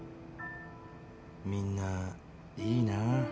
みんないいなあ